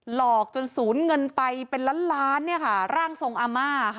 หลอกจนศูนย์เงินไปเป็นล้านล้านเนี่ยค่ะร่างทรงอาม่าค่ะ